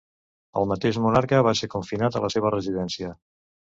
El mateix monarca va ser confinat a la seva residència.